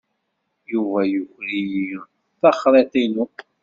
Yuba yuker-iyi taxriḍt-inu.